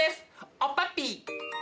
おっぱっぴー！